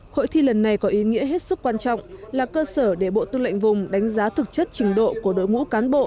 hội thi lần này có ý nghĩa hết sức quan trọng là cơ sở để bộ tư lệnh vùng đánh giá thực chất trình độ của đội ngũ cán bộ